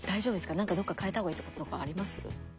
なんかどっか変えた方がいいとことかあります？